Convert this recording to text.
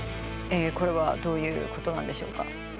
これはどういうことなんでしょうか？